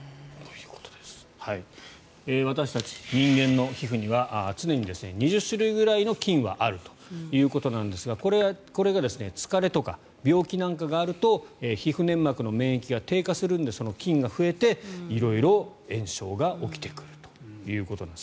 私たち人間の皮膚には常に２０種類ぐらいの菌があるということですがこれが、疲れたとか病気とかがあると皮膚粘膜の免疫が低下するので菌が増えて色々炎症が起きてくるということです。